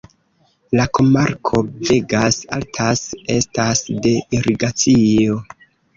La komarko Vegas Altas estas de irigacio.